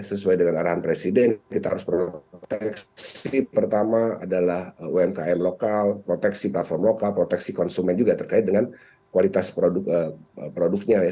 sesuai dengan arahan presiden kita harus proteksi pertama adalah umkm lokal proteksi platform lokal proteksi konsumen juga terkait dengan kualitas produknya ya